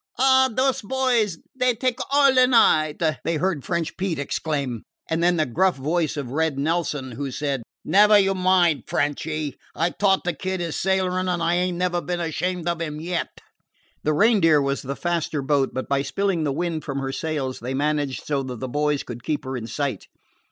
"Ah, dose boys! Dey take all a night!" they heard French Pete exclaim, and then the gruff voice of Red Nelson, who said: "Never you mind, Frenchy. I taught the Kid his sailorizing, and I ain't never been ashamed of him yet." The Reindeer was the faster boat, but by spilling the wind from her sails they managed so that the boys could keep them in sight.